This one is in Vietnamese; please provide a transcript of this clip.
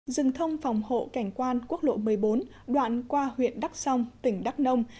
dừng thông phòng hộ cảnh quan quốc lộ một mươi bốn đoạn qua huyện đắc sông tỉnh đắc nông